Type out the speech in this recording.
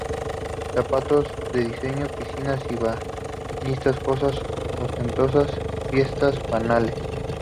Zapatos de diseño, piscinas y bañistas, casas ostentosas, fiestas banales.